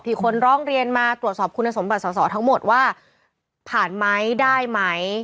คนร้องเรียนมาตรวจสอบคุณสมบัติสอสอทั้งหมดว่าผ่านไหมได้ไหม